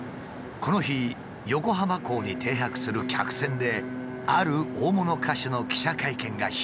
この日横浜港に停泊する客船である大物歌手の記者会見が開かれた。